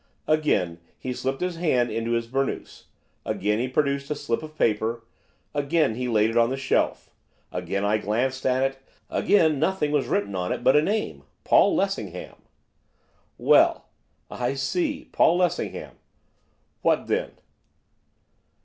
Again he slipped his hand into his burnoose, again he produced a slip of paper, again he laid it on the shelf, again I glanced at it, again nothing was written on it but a name, 'Paul Lessingham.' 'Well? I see, Paul Lessingham. What then?